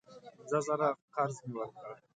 پینځه زره قرض مې ورکړ.